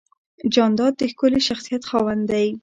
جانداد د ښکلي شخصیت خاوند دی.